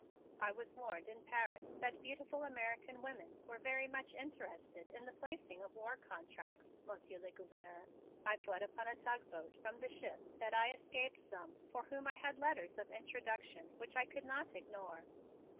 "I was warned in Paris that beautiful American women were very much interested in the placing of war contracts, Monsieur le Gouverneur. I fled upon a tug boat from the ship that I escape some for whom I had letters of introduction which I could not ignore."